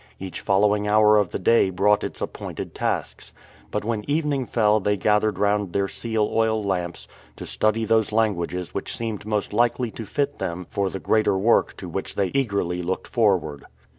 Each following hour of the day brought its appointed tasks. But when evening fell they gathered round their seal oil lamps to study those languages which seemed most likely to fit them for the greater work to which they eagerly looked forward.